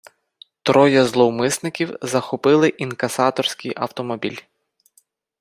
Троє зловмисників захопили інкасаторський автомобіль.